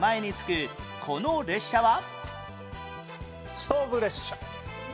ストーブ列車。